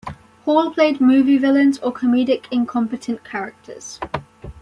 Hall played movie villains or comedic incompetent characters.